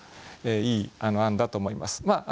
いい案だと思います。